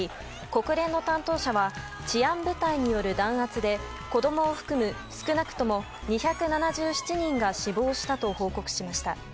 国連の担当者は治安部隊による弾圧で子供を含む少なくとも２７７人が死亡したと報告しました。